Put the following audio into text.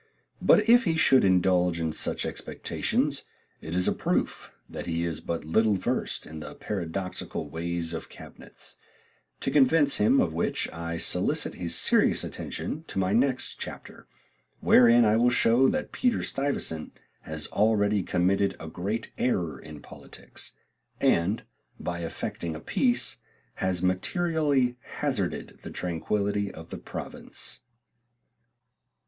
But if he should indulge in such expectations, it is a proof that he is but little versed in the paradoxical ways of cabinets; to convince him of which I solicit his serious attention to my next chapter, wherein I will show that Peter Stuyvesant has already committed a great error in politics, and, by effecting a peace, has materially hazarded the tranquillity of the province.